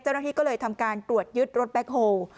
เจ้าหน้าที่ก็เลยทำการตรวจยึดรถแบ็คโฮล